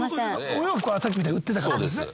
お洋服をさっきみたいに売ってた方ですね。